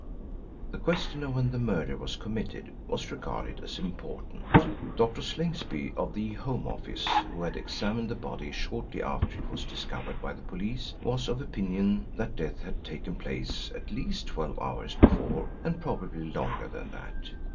The question of when the murder was committed was regarded as important. Dr. Slingsby, of the Home Office, who had examined the body shortly after it was discovered by the police, was of opinion that death had taken place at least twelve hours before and probably longer than that.